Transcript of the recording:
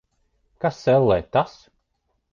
Kas, ellē, tas?